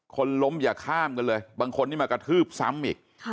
คนล้มอย่าข้ามกันเลยบางคนนี่มากระทืบซ้ำอีก